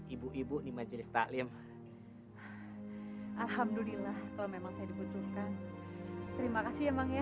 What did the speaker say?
ibu ibu di majelis taklim alhamdulillah kalau memang saya dibutuhkan terima kasih emangnya